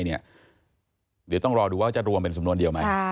เดี๋ยวต้องรอดูว่าจะรวมเป็นสำนวนเดียวไหม